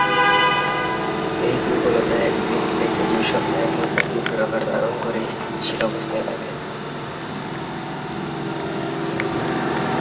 এই দূর্বলতা একদিন থেকে দুই সপ্তাহের মধ্যে তীব্র আকার ধারণ করে স্থিতিশীল অবস্থায় থাকে।